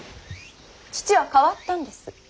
父は変わったんです。